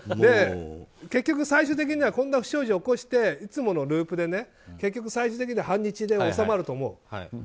結局最終的にはこんな不祥事を起こしていつものループで結局最終的に反日で収まると思う。